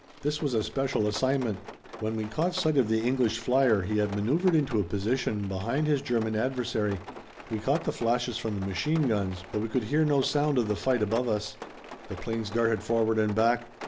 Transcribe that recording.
This was a special assignment. When we caught sight of the English flier he had maneuvered into a position behind his German adversary. We caught the flashes from the machine guns, but we could hear no sound of the fight above us. The 'planes darted forward and back.